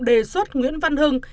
đề xuất nguyễn văn hưng